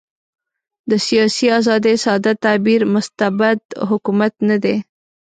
د سیاسي آزادۍ ساده تعبیر مستبد حکومت نه دی.